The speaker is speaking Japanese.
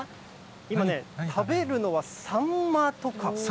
今ね、食べるのはサンマとか。